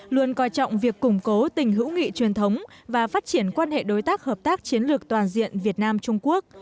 luôn coi trọng việc củng cố tình hữu nghị truyền thống và phát triển quan hệ đối tác hợp tác chiến lược toàn diện việt nam trung quốc